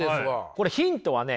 これヒントはね